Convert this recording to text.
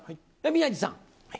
宮治さん。